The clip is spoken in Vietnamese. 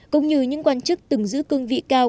cũng như những quan chức từng giữ cương vị cao